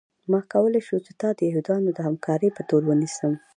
ما کولی شول چې تا د یهودانو د همکارۍ په تور ونیسم